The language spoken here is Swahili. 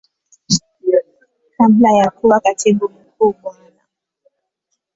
Kabla ya kuwa Katibu Mkuu Bwana.